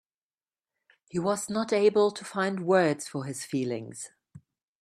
He was not able to find words for his feelings.